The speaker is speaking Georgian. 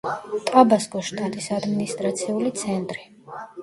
ტაბასკოს შტატის ადმინისტრაციული ცენტრი.